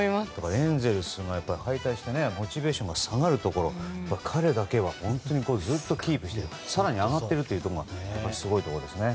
エンゼルスも敗退してモチベーションが下がるところ彼だけは本当にずっとキープしていて更に上がっているのがすごいところですね。